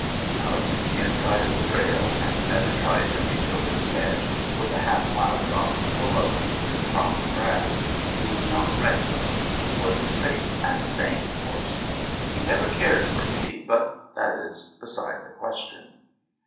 He hugged the inside of the trail, and never tried to reach over the edge, with a half mile drop below, to crop grass. He was not reckless. He was a safe and sane horse. He never cared for me, but that is beside the question.